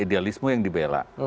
idealisme yang dibela